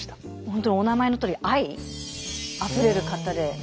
本当にお名前のとおり愛あふれる方で。